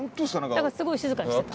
だからすごい静かにしてた。